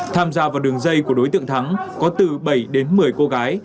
tham gia vào đường dây của đối tượng thắng có từ bảy đến một mươi cô gái